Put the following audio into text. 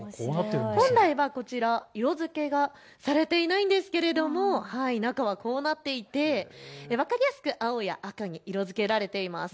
本来はこちら色づけがされていないんですが、中はこうなっていて分かりやすく青や赤に色づけられています。